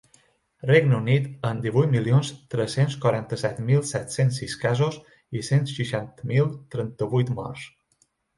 Regne Unit, amb divuit milions tres-cents quaranta-set mil set-cents sis casos i cent seixanta mil trenta-vuit morts.